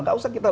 nggak usah kita